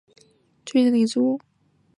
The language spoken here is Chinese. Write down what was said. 深灰槭为无患子科槭属的植物。